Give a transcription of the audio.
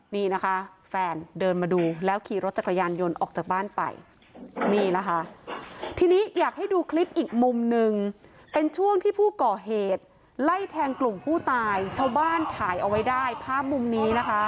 นี่นะคะแฟนเดินมาดูแล้วขี่รถจักรยานยนต์ออกจากบ้านไป